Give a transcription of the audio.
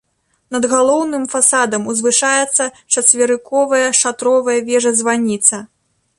Над галоўным фасадам узвышаецца чацверыковая шатровая вежа-званіца.